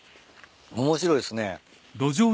面白いっすね。